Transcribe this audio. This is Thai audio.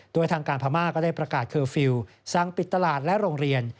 โดยทางการพม่าก็ได้ประกาศเคอร์ฟิลล์สั่งปิดตลาดและโรงเรียน